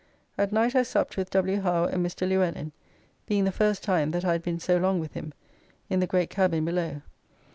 At night I supped with W. Howe and Mr. Luellin (being the first time that I had been so long with him) in the great cabin below.